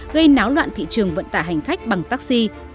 gây náo loạn thị trường vận tải hành khách bằng taxi